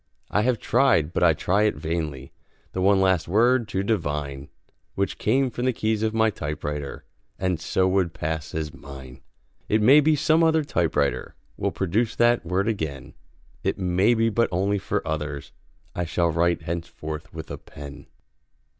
I have tried, but I try it vainly, The one last word to divine Which came from the keys of my typewriter And so would pass as mine. It may be some other typewriter Will produce that word again, It may be, but only for others I shall write henceforth with a pen.